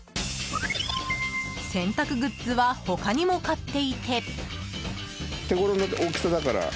洗濯グッズは他にも買っていて。